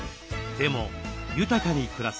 でも豊かに暮らす。